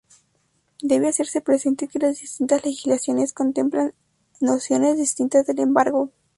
Debe hacerse presente que las distintas legislaciones contemplan nociones distintas del embargo.